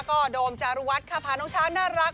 ก็โดมจารุวัฒน์ค่ะพาน้องช้างน่ารัก